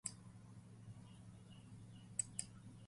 Functionality is otherwise the same.